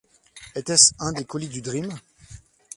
Était-ce un des colis du Dream?